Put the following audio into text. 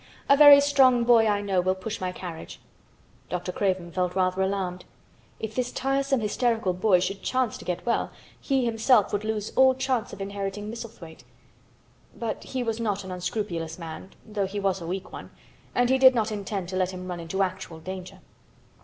A very strong boy I know will push my carriage." Dr. Craven felt rather alarmed. If this tiresome hysterical boy should chance to get well he himself would lose all chance of inheriting Misselthwaite; but he was not an unscrupulous man, though he was a weak one, and he did not intend to let him run into actual danger.